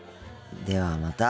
ではまた。